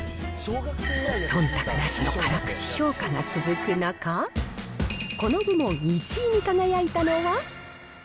そんたくなしの辛口評価が続く中、この部門１位に輝いたのは。